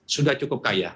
sudah cukup kaya